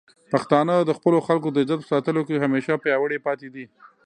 پښتانه د خپلو خلکو د عزت په ساتلو کې همیشه پیاوړي پاتې دي.